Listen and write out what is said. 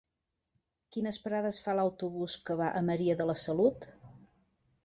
Quines parades fa l'autobús que va a Maria de la Salut?